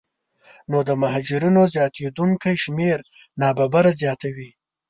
نو د مهاجرینو زیاتېدونکی شمېر نابرابري زیاتوي